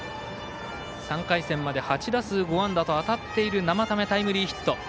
３回戦まで８打数５安打と当たっている生田目タイムリーヒット。